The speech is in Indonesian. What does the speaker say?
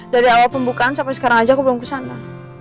dari awal pembukaan sampai sekarang aja aku belum kesana